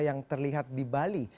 yang terlihat di bali